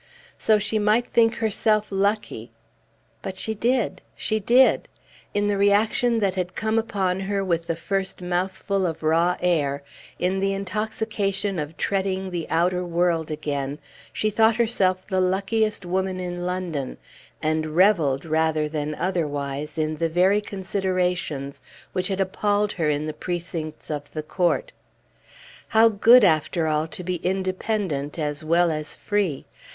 So she might think herself lucky! But she did, she did; in the reaction that had come upon her with the first mouthful of raw air, in the intoxication of treading the outer world again, she thought herself the luckiest woman in London, and revelled rather than otherwise in the very considerations which had appalled her in the precincts of the court. How good, after all, to be independent as well as free!